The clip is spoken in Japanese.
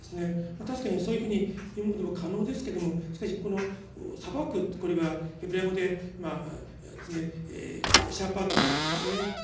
確かにそういうふうに読むことも可能ですけどもしかしこの「裁く」ってこれはヘブライ語で「シャーパト」ですね。